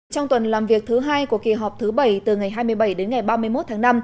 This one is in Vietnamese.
trong tuần làm việc thứ hai của kỳ họp thứ bảy từ ngày hai mươi bảy đến ngày ba mươi một tháng năm